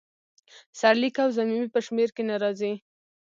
سرلیک او ضمیمې په شمیر کې نه راځي.